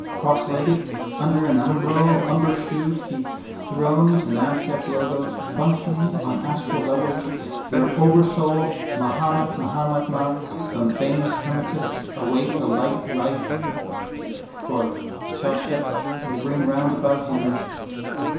Crosslegged under an umbrel umbershoot he thrones an Aztec logos, functioning on astral levels, their oversoul, mahamahatma. The faithful hermetists await the light, ripe for chelaship, ringroundabout him.